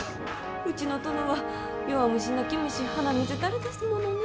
うちの殿は弱虫泣き虫鼻水垂れですものね。